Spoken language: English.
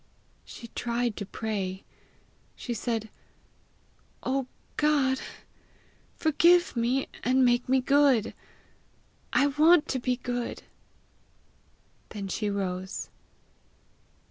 She tried to pray. She said, "Oh G od! forgive me, and make me good. I want to be good!" Then she rose.